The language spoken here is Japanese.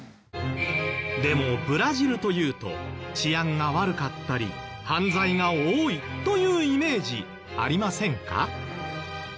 でもブラジルというと治安が悪かったり犯罪が多いというイメージありませんか？